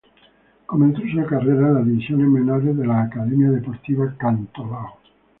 Comenzó su carrera en las divisiones menores de la Academia Deportiva Cantolao.